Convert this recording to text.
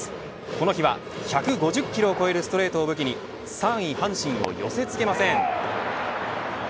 この日は１５０キロを超えるストレートを武器に３位阪神を寄せつけません。